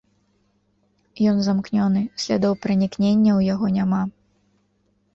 Ён замкнёны, слядоў пранікнення ў яго няма.